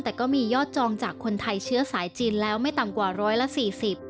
แต่ก็มียอดจองจากคนไทยเชื้อสายจีนแล้วไม่ต่ำกว่าร้อยละสี่สิบ